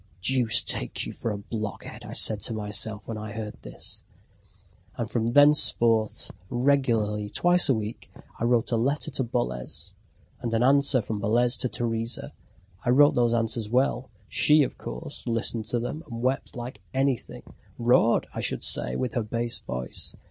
"Deuce take you for a blockhead!" said I to myself when I heard this. And from thenceforth, regularly, twice a week, I wrote a letter to Boles, and an answer from Boles to Teresa. I wrote those answers well... She, of course, listened to them, and wept like anything, roared, I should say, with her bass voice.